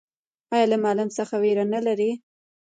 ایا له معلم څخه ویره نلري؟